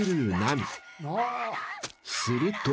［すると］